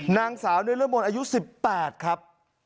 นางสาวในเรื่องบนอายุ๑๘ครับ